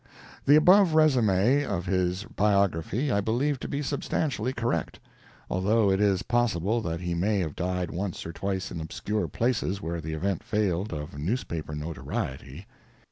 The above resume of his biography I believe to be substantially correct, although it is possible that he may have died once or twice in obscure places where the event failed of newspaper notoriety.